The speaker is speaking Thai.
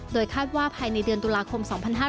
คาดว่าภายในเดือนตุลาคม๒๕๕๙